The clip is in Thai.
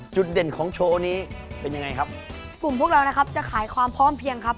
จุดเด่นของโชว์นี้เป็นยังไงครับกลุ่มพวกเรานะครับจะขายความพร้อมเพียงครับ